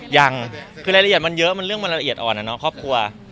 ยังคือรายละเอียดมันเยอะมันเรื่องมันละเอียดอ่อนนะเนาะครอบครัว